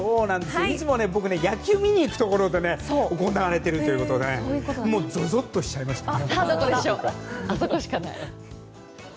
いつも僕が野球を見に行くところで行われているということでぞぞっとしちゃいました。